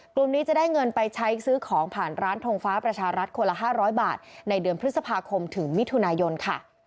กลุ่มนี้จะได้เงินไปใช้ซื้อของผ่านร้านทงฟ้าประชารัฐคนละ๕๐๐บาทในเดือนพฤษภาคมถึงมิถุนายนค่ะ